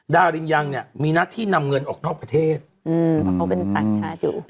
ดาริยังเนี่ยมีนัดที่นำเงินออกนอกประเทศเขาเป็นฝั่งชาติดูก